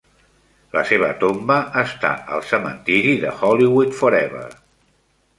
La seva tomba està al cementiri de Hollywood Forever.